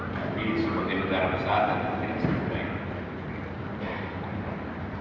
tapi sebagai negara besar tidak sering baik